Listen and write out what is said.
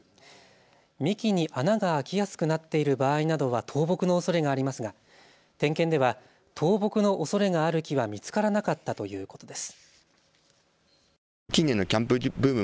幹に穴が空きやすくなっている場合などは倒木のおそれがありますが点検では倒木のおそれがある木は見つからなかったということです。